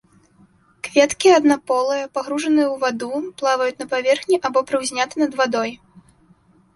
Кветкі аднаполыя, пагружаныя ў ваду, плаваюць на паверхні або прыўзняты над вадой.